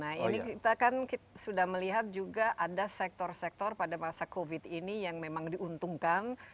nah ini kita kan sudah melihat juga ada sektor sektor pada masa covid ini yang memang diuntungkan